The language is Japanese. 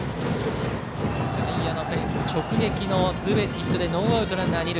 外野のフェンス直撃のツーベースヒットでノーアウトランナー、二塁。